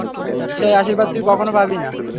সেই আশীর্বাদ তুই কখনও পাবি না!